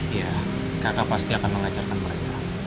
iya kakak pasti akan mengajarkan mereka